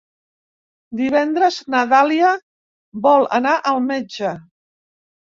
Divendres na Dàlia vol anar al metge.